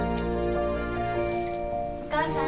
お母さん。